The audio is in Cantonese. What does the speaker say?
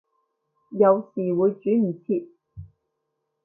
有時會轉唔切